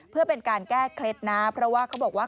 เพื่อเป็นการแก้เคล็ดนะเพราะว่าเขาบอกว่า